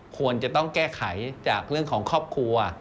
ควรจะต้องแก้ไขจากเรื่องของครอบครัว